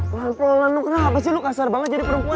wah apaan lo kenapa sih lo kasar banget jadi perempuan